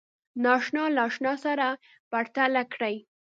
ناآشنا له آشنا سره پرتله کړئ